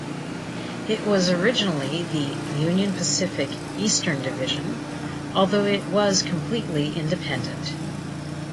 It was originally the "Union Pacific, Eastern Division", although it was completely independent.